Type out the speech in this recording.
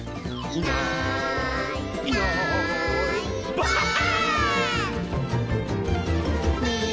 「いないいないばあっ！」